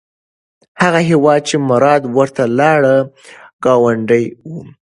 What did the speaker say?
هغه هیواد چې مراد ورته لاړ، ګاونډی و.